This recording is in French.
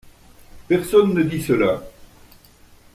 Personne ne dit cela.